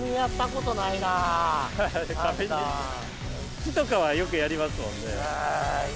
木とかはよくやりますもんね。